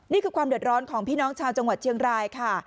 นี่คือความเดือดร้อนของพี่น้องชาวจังหวัดเชียงรายค่ะ